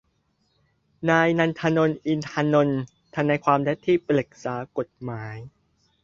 นายนันทน อินทนนท์ ทนายความและที่ปรึกษากฏหมาย